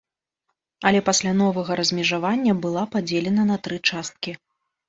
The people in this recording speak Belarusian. Але пасля новага размежавання была падзелена на тры часткі.